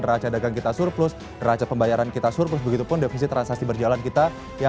raca dagang kita surplus raca pembayaran kita surplus begitu pun defisi transaksi berjalan kita